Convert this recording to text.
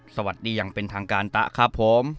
สวัสดีอย่างเป็นทางการตะครับผม